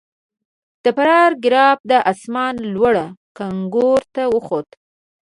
د فرار ګراف د اسمان لوړو کنګرو ته وخوت.